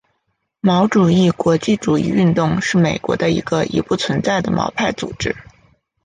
毛主义国际主义运动是美国的一个已不存在的毛派组织。